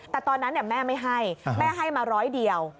แต่ตอนนั้นแม่ไม่ให้แม่ให้มาร้อยเดียว